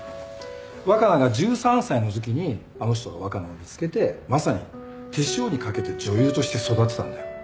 若菜が１３歳のときにあの人が若菜を見つけてまさに手塩にかけて女優として育てたんだよ。